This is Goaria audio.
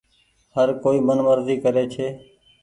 هر ڪوئي من مزي ڪري ڇي۔